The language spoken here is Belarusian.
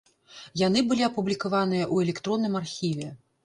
Яны былі апублікаваныя ў электронным архіве.